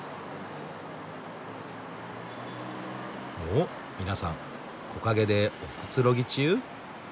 お皆さん木陰でおくつろぎ中。